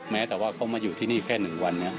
แม้แต่ว่าเขามาอยู่ที่นี่แค่๑วันนี้